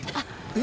え！